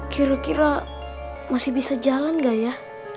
kira kira masih bisa jalan gak ya